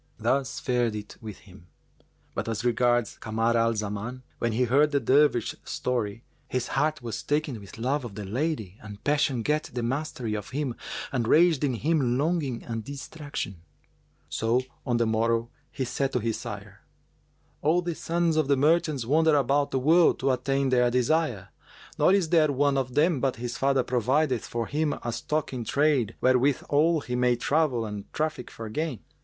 Thus fared it with him; but as regards Kamar al Zaman, when he heard the Dervish's story, his heart was taken with love of the lady and passion gat the mastery of him and raged in him longing and distraction; so, on the morrow, he said to his sire, "All the sons of the merchants wander about the world to attain their desire, nor is there one of them but his father provideth for him a stock in trade wherewithal he may travel and traffic for gain.